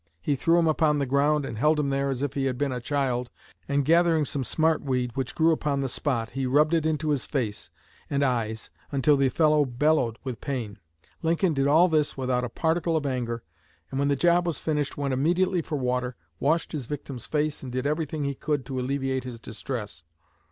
He threw him upon the ground, and held him there as if he had been a child, and gathering some 'smart weed' which grew upon the spot he rubbed it into his face and eyes until the fellow bellowed with pain. Lincoln did all this without a particle of anger, and when the job was finished went immediately for water, washed his victim's face and did everything he could to alleviate his distress.